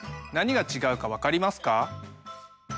何が違うか分かりますか？